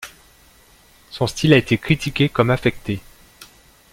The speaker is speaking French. Son style a été critiqué comme affecté.